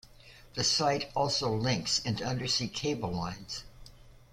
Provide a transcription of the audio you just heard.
The site also links into undersea cable lines.